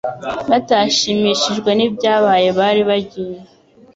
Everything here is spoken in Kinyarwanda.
batashimishijwe n'ibyabaye bari bagiye